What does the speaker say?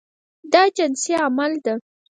دا جنسي عمل ده.